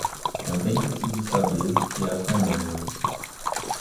Contentem-se de saber que essa anônima